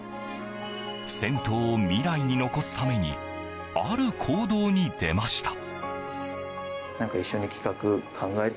銭湯を未来に残すためにある行動に出ました。